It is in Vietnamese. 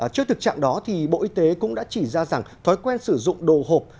trước thực trạng đó bộ y tế cũng đã chỉ ra rằng thói quen sử dụng đồ hộp